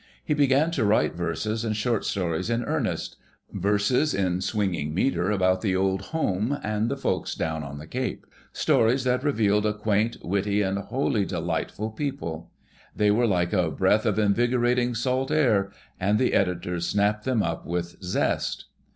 He began to write verses and short stories in earnest — verses in swinging meter about the old home and the folks down on the Cape — stories that revealed a quaint, witty and wholly delight ful people. They were like a breath of invigorating salt air and the editors snapped them up with zest.